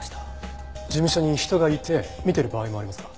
事務所に人がいて見てる場合もありますか？